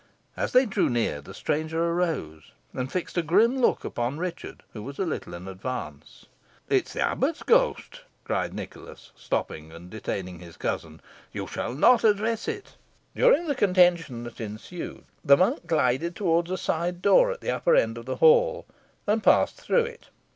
As they drew near, the stranger arose, and fixed a grim look upon Richard, who was a little in advance. "It is the abbot's ghost!" cried Nicholas, stopping, and detaining his cousin. "You shall not address it." During the contention that ensued, the monk glided towards a side door at the upper end of the hall, and passed through it.